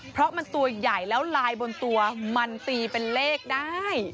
เพราะมันตัวใหญ่แล้วลายบนตัวมันตีเป็นเลขได้